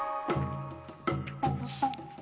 よし。